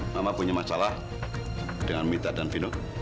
mama punya masalah dengan mita dan film